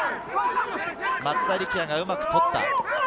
松田力也がうまく取った。